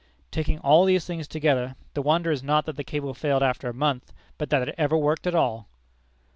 Taking all these things together, the wonder is, not that the cable failed after a month, but that it ever worked at all!